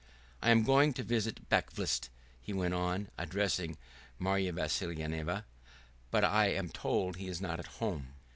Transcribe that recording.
"I am going to visit Bakvist," he went on, addressing Marya Vassilyevna, "but I am told he is not at home."